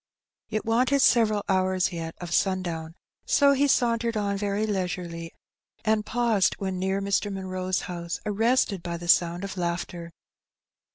It wanted several hours An Accident. 237 yet of sundown, so he sauntered on very leisurely, and paused when near Mr. Munroe's house, arrested by the sound of laughter.